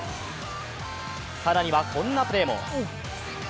更にはこんなプレーも。